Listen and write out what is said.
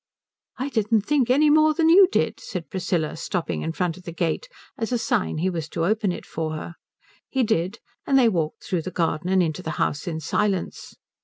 "I didn't think any more than you did," said Priscilla stopping in front of the gate as a sign he was to open it for her. He did, and they walked through the garden and into the house in silence.